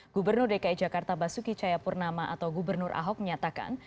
gubernur dki jakarta basuki cayapurnama atau gubernur ahok menyatakan